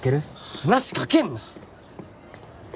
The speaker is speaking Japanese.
話しかけんな！